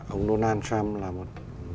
ông donald trump là một